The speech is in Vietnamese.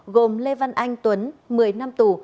gồm lê văn anh tuấn một mươi năm tù